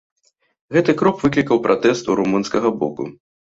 Гэты крок выклікаў пратэст у румынскага боку.